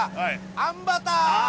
あんバターあ